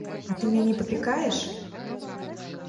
А ты мяне папікаеш?